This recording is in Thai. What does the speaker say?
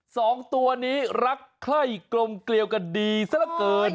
สองตัวนี้รักไข้กลมเกลียวกันดีซะละเกิน